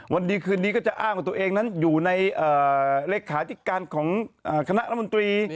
วันดีคืนนี้ก็จะอ้างว่าตัวเองนั้นอยู่ในเลขาธิการของคณะรัฐมนตรี